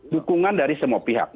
dukungan dari semua pihak